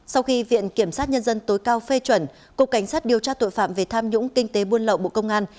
sau khi viện kiểm sát nhân dân tối cao phê chuẩn cục cảnh sát điều tra tội phạm về tham nhũng kinh tế buôn lậu bộ công an